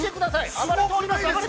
暴れております。